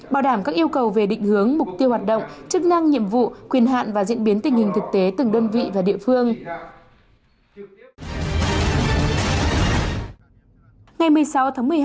bảo đảm các yêu cầu về định hướng mục tiêu hoạt động chức năng nhiệm vụ quyền hạn và diễn biến tình hình thực tế từng đơn vị và địa phương